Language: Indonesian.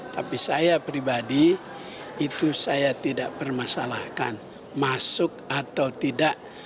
tapi saya pribadi itu saya tidak permasalahkan masuk atau tidak